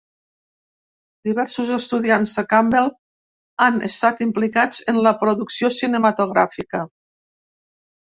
Diversos estudiants de Campbell han estat implicats en la producció cinematogràfica.